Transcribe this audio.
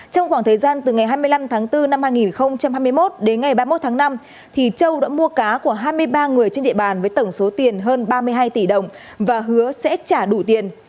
trong khoảng thời gian từ ngày hai mươi năm tháng bốn năm hai nghìn hai mươi một đến ngày ba mươi một tháng năm châu đã mua cá của hai mươi ba người trên địa bàn với tổng số tiền hơn ba mươi hai tỷ đồng và hứa sẽ trả đủ tiền